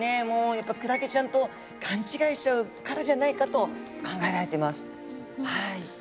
もうやっぱクラゲちゃんと勘違いしちゃうからじゃないかと考えられてます。